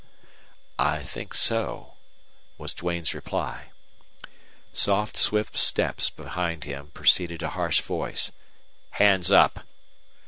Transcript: "I think so," was Duane's reply. Soft swift steps behind him preceded a harsh voice: "Hands up!"